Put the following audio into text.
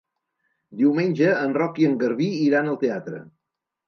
Diumenge en Roc i en Garbí iran al teatre.